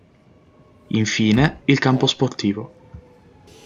Infine, il campo sportivo.